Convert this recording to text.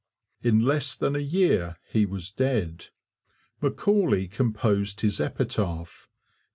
In less than a year he was dead. Macaulay composed his epitaph.